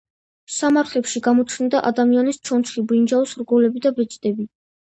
სამარხებში გამოჩნდა ადამიანის ჩონჩხი, ბრინჯაოს რგოლები და ბეჭდები.